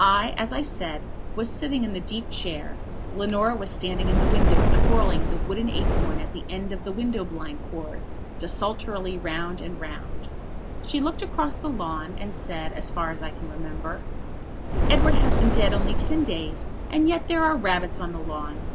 I, as I said, was sitting in the deep chair, Leonora was standing in the window twirling the wooden acorn at the end of the window blind cord desultorily round and round. She looked across the lawn and said, as far as I can remember: "Edward has been dead only ten days and yet there are rabbits on the lawn."